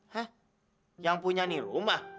hah yang punya nih rumah